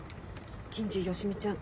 銀次芳美ちゃん